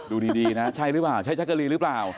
ดูดีนะใช่หรือเปล่าใช่จักรีหรือเปล่า